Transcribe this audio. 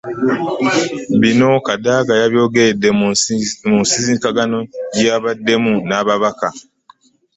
Bino Kadaga yabyogeredde mu nsisinkano gye yabaddemu n'ababaka.